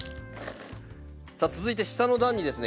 さあ続いて下の段にですね